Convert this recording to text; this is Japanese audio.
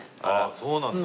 そうなんだ。